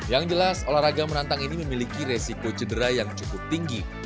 yang jelas olahraga menantang ini memiliki resiko cedera yang cukup tinggi